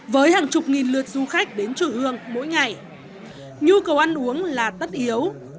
với hàng chục nghìn lượt du khách đến chùa hương mỗi ngày nhu cầu ăn uống là tất yếu